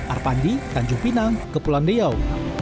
arpandi tanjung pinang kepulauan riau